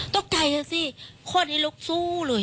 ตกใจแล้วสิคนนี้ลุกสู้เลยอ่ะ